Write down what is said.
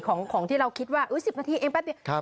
ของเราที่เราคิดว่า๑๐นาทีเองแป๊บเดียว